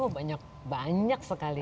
oh banyak banyak sekali